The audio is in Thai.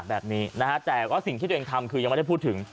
แบบนี้นะฮะแต่ว่าสิ่งที่ตัวเองทำคือยังไม่ได้พูดถึง